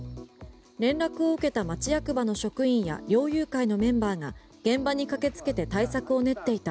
連絡を受けた町役場の職員や猟友会のメンバーが現場に駆けつけて対策を練っていた